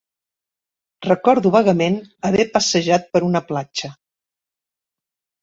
Recordo vagament haver passejat per una platja.